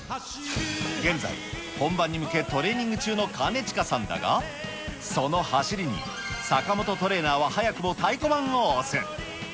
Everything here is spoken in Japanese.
現在、本番に向けトレーニング中の兼近さんだが、その走りに、坂本トレーナーは早くも太鼓判を押す。